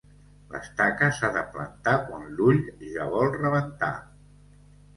L'estaca s'ha de plantar quan l'ull ja vol rebentar.